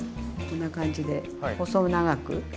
こんな感じで細長く。